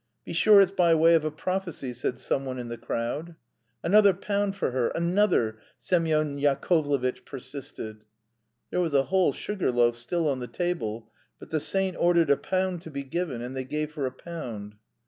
"Be sure it's by way of a prophecy," said someone in the crowd. "Another pound for her, another!" Semyon Yakovlevitch persisted. There was a whole sugar loaf still on the table, but the saint ordered a pound to be given, and they gave her a pound.